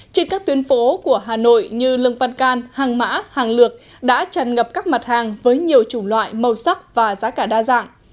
trên các tuyến phố của hà nội như lương văn can hàng mã hàng lược đã tràn ngập các mặt hàng với nhiều chủng loại màu sắc và giá cả đa dạng